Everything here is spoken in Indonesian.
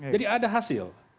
jadi ada hasil